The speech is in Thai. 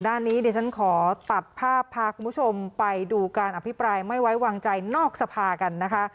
ด้านนี้ดิฉันขอตัดภาพพาคุณผู้ชมไปดูการอภิปรายไม่ไว้วางใจนอกสภากันนะคะ